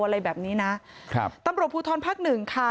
อะไรแบบนี้นะครับตำรวจภูทรภาคหนึ่งค่ะ